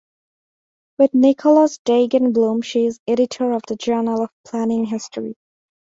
With Nicholas Dagen Bloom she is editor of the Journal of Planning History.